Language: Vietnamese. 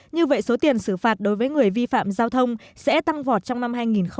như vậy số tiền xử phạt đối với người vi phạm giao thông sẽ tăng vọt trong năm hai nghìn hai mươi